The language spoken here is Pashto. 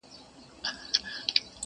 هم یې کور هم انسانانو ته تلوار و.